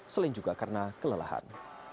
selain juga karena kelelahan